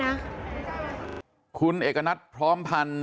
คุณเอกณัฐพร้อมพันธุ์หรือหรือกดดลองปุ่นวินทรีย์